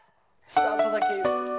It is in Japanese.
スタートだけ。